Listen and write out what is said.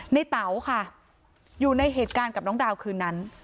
เต๋าค่ะอยู่ในเหตุการณ์กับน้องดาวคืนนั้น